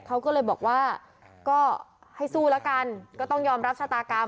เขาก็เลยบอกว่าก็ให้สู้แล้วกันก็ต้องยอมรับชะตากรรม